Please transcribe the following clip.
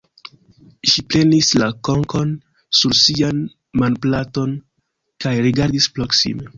Ŝi prenis la konkon sur sian manplaton kaj rigardis proksime.